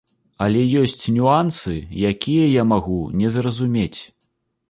Але ёсць нюансы, якія я магу не зразумець.